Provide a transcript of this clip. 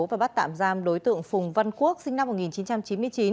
và bắt tạm giam đối tượng phùng văn quốc sinh năm một nghìn chín trăm chín mươi chín